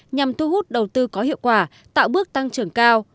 nhằm thu hút đầu tư có hiệu quả tạo bước tăng trưởng cao